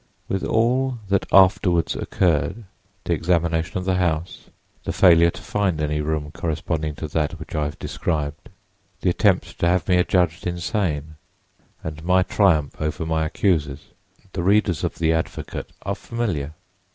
"With all that afterward occurred—the examination of the house; the failure to find any room corresponding to that which I have described; the attempt to have me adjudged insane, and my triumph over my accusers—the readers of the Advocate are familiar.